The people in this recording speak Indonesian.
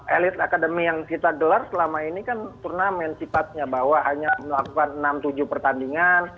elit academy yang kita gelar selama ini kan turnamen sifatnya bahwa hanya melakukan enam tujuh pertandingan